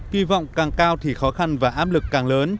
kỳ vọng càng cao thì khó khăn và áp lực càng lớn